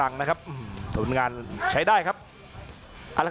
อัศวินาศาสตร์